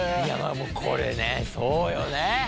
これねそうよね。